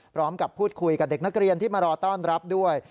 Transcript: พร้อมกับพูดคุยกับเด็กนักเรียนที่มารอต้อนรับด้วย